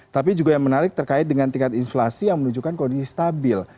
tapi juga yang menarik terkait dengan tingkat inflasi yang menunjukkan kondisi stabil